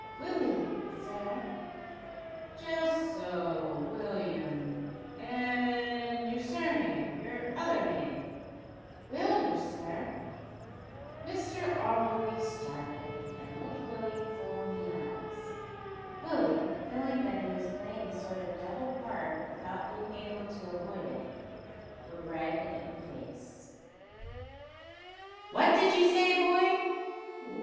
"Willie, sir." "Just so, William; and your surname your other name?" "Willders, sir." Mr Auberly started, and looked Willie full in the eyes. Willie, feeling that he was playing a sort of double part without being able to avoid it, grew red in the face. "What did you say, boy?"